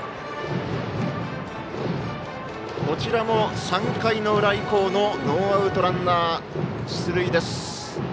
こちらも３回の裏以降のノーアウトのランナー出塁です。